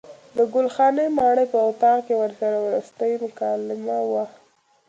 د ګل خانې ماڼۍ په اطاق کې ورسره وروستۍ مکالمه وه.